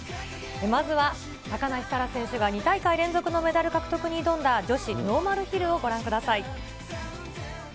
まずは高梨沙羅選手が、２大会連続のメダル獲得に挑んだ女子ノーマルヒルをご覧ください。